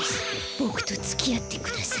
ボクとつきあってください。